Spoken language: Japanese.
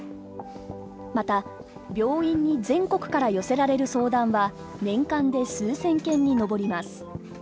また病院に全国から寄せられる相談は年間で数千件に上ります。